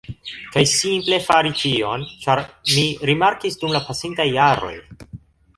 Kaj simple fari tion, ĉar mi rimarkis dum la pasintaj jaroj